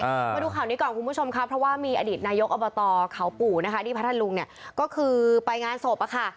มาดูข่าวนี้ก่อนคุณผู้ชมค่ะเพราะว่ามีอดีตนายกอบตเขาปู่นะคะที่พัทธลุงเนี่ยก็คือไปงานศพอะค่ะ